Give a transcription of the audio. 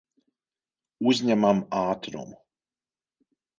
Uzņemam ātrumu.